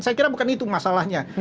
saya kira bukan itu masalahnya